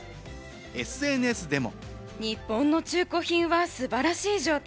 ＳＮＳでも。